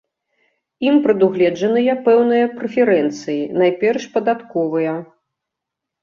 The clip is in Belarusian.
Ім прадугледжаныя пэўныя прэферэнцыі, найперш падатковыя.